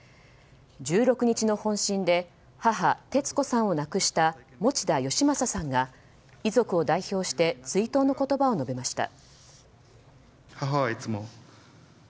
１６日の本震で母・テツコさんを亡くした持田佳征さんが遺族を代表して追悼の言葉を述べました。